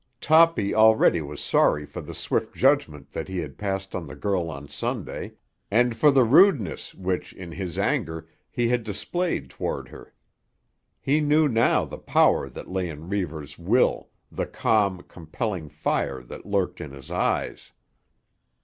Toppy already was sorry for the swift judgment that he had passed on the girl on Sunday, and for the rudeness which, in his anger, he had displayed toward her. He knew now the power that lay in Reivers' will, the calm, compelling fire that lurked in his eyes.